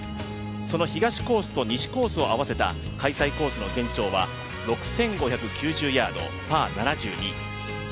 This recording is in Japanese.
その東コースと西コースを合わせた開催コースの全長は６５９０ヤード、パー７２。